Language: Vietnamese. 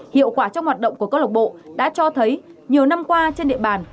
hiệu quả trong hoạt động của cơ lộ bộ đã cho thấy nhiều năm qua trên địa bàn